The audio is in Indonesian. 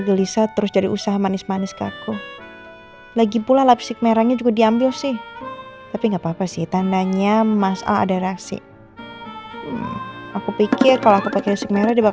kalau mama chandra memang mau uji sika dan nino itu jadian